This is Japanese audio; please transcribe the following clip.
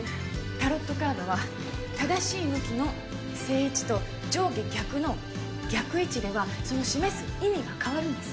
タロットカードは正しい向きの正位置と上下逆の逆位置ではその示す意味が変わるんです。